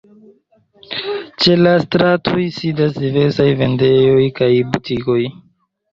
Ĉe la stratoj sidas diversaj vendejoj kaj butikoj.